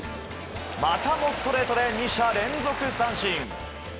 またもストレートで２者連続三振。